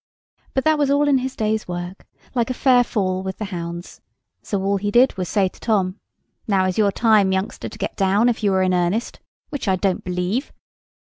But that was all in his day's work, like a fair fall with the hounds; so all he did was to say to Tom— "Now is your time, youngster, to get down, if you are in earnest, which I don't believe."